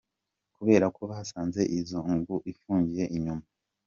Kubera ko basanze inzu ifungiye inyuma.